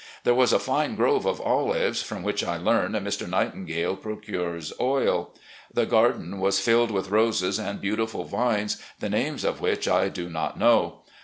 There was a fine grove of olives, from which, I leam, Mr. Nightingale procures oil. The garden was filled with roses and beautiful vines, the names of which I do not know.